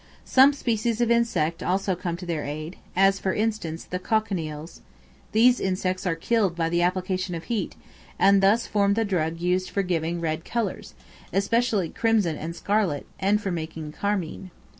Some species of insects also come to their aid, as for instance, the cochineals; these insects are killed by the application of heat, and thus form the drug used for giving red colors, especially crimson and scarlet, and for making carmine.